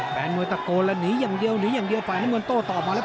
แฟนมวยตะโกนแล้วหนีอย่างเดียวหนีอย่างเดียวฝ่ายน้ำเงินโต้ตอบมาแล้ว